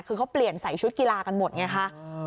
คือเขาเปลี่ยนใส่ชุดกีฬากันหมดไงคะ